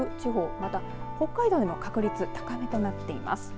また、北海道でも確率高めとなっています。